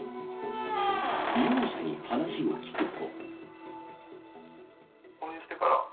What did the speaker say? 利用者に話を聞くと。